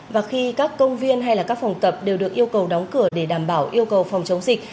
và khi các công viên hay các phòng tập đều được yêu cầu đóng cửa để đảm bảo yêu cầu phòng chống dịch